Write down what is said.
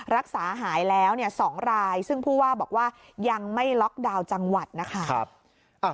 รักษาหายแล้ว๒รายซึ่งผู้ว่าบอกว่ายังไม่ล็อกดาวน์จังหวัดนะคะ